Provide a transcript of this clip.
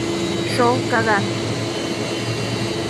Sho Kagami